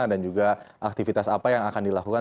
dan juga aktivitas apa yang akan dilakukan